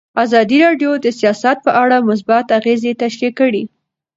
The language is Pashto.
ازادي راډیو د سیاست په اړه مثبت اغېزې تشریح کړي.